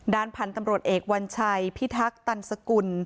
พันธุ์ตำรวจเอกวัญชัยพิทักษันสกุล